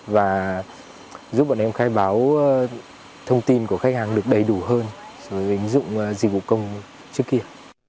và giúp bọn em khai báo thông tin của khách hàng được đầy đủ hơn so với ứng dụng dịch vụ công trước kia